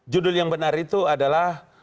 judul yang benar itu adalah